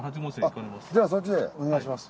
じゃあそっちでお願いします。